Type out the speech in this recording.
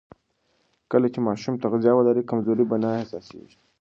کله چې ماشوم تغذیه ولري، کمزوري به نه احساسېږي.